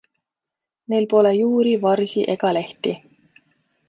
Neil pole juuri, varsi ega lehti.